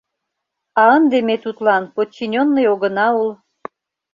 А ынде ме тудлан подчинённый огына ул.